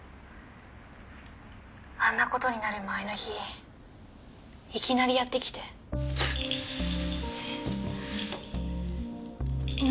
「あんな事になる前の日いきなりやって来て」何？